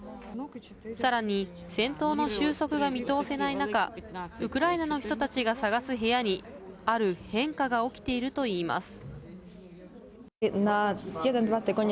さらに、戦闘の収束が見通せない中、ウクライナの人たちが探す部屋に、ある変化が起きているといいます。